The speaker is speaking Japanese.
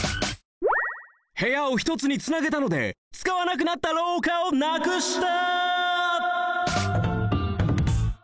部屋をひとつにつなげたのでつかわなくなったろうかをなくした！